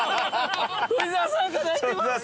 富澤さんが泣いてます！